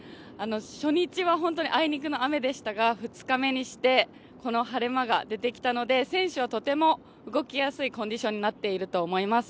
初日は本当にあいにくの雨でしたが２日目にしてこの晴れ間が出てきたので選手はとても動きやすいコンディションになっていると思います。